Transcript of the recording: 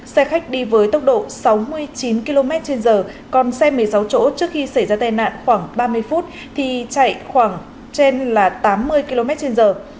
xe khách đi với tốc độ sáu mươi chín km trên giờ còn xe một mươi sáu chỗ trước khi xảy ra tai nạn khoảng ba mươi phút thì chạy khoảng trên là tám mươi km trên giờ